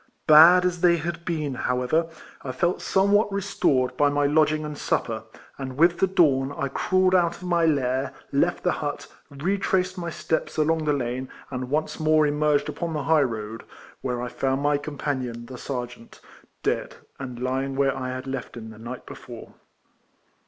Bad as they had been, however, I felt somewhat restored by my lodging and sup per, and with the dawn I crawled out of my lair, left the hut, retraced my steps along the lane, and once more emerged upon the high road, where I found my com panion, the sergeant, dead, and lying where I had left him the night before.